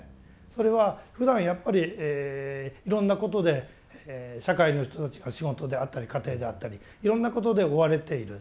それはふだんやっぱりいろんなことで社会の人たちが仕事であったり家庭であったりいろんなことで追われている。